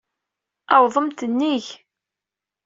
Awḍemt nnig.